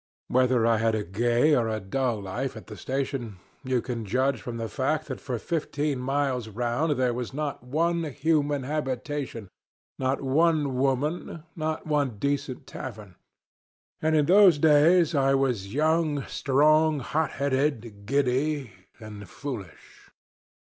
Whether I had a gay or a dull life at the station you can judge from the fact that for fifteen miles round there was not one human habitation, not one woman, not one decent tavern; and in those days I was young, strong, hot headed, giddy, and foolish.